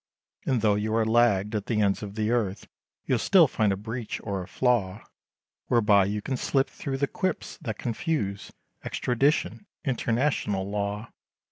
"And tho' you are lagged, at the ends of the earth, You'll still find a breach, or a flaw, Whereby you can slip, thro' the quips, that confuse, Extradition international law.